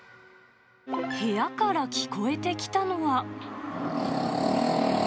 部屋から聞こえてきたのは。